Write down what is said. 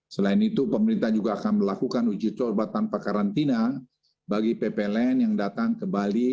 selain itu pemerintah juga akan melakukan uji coba tanpa karantina bagi ppln yang datang ke bali